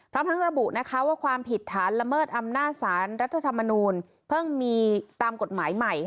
เพราะท่านระบุว่าความผิดทันละเมิดอำนาจศาลรัฐธรรมนูลเพิ่งมีตามกฎหมายใหม่ค่ะ